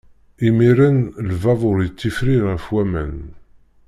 Imiren, lbabuṛ ittifrir ɣef waman.